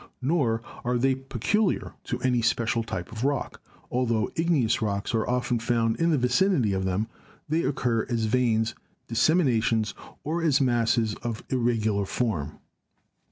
Nor are they peculiar to any special type of rock, altho igneous rocks are often found in the vicinity of them. They occur as veins, disseminations, or as masses of irregular form.